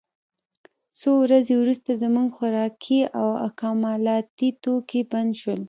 څو ورځې وروسته زموږ خوراکي او اکمالاتي توکي بند شول